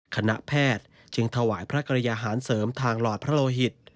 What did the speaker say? คณะแพทย์จึงถวายพระกรยาหารเสริมทางหลอดพระโลหิต